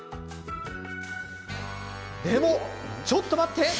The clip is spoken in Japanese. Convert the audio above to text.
でも、ちょっと待って。